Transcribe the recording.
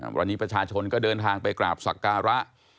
วันนี้ประชาชนก็เดินทางไปกราบสักการะ